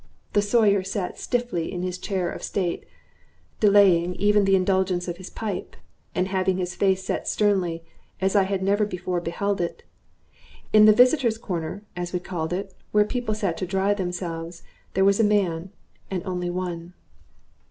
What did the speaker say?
The Sawyer sat stiffly in his chair of state, delaying even the indulgence of his pipe, and having his face set sternly, as I had never before beheld it. In the visitor's corner, as we called it, where people sat to dry themselves, there was a man, and only one.